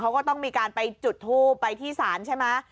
เขาก็ต้องมีการไปจุดทูบไปที่ศาลใช่ไหม